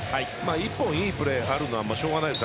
１本いいプレーがあるのはしょうがないです。